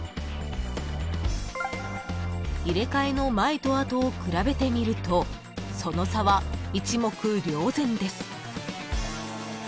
［入れ替えの前と後を比べてみるとその差は一目瞭然です］